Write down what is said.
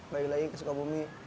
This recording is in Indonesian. balik lagi ke sukabumi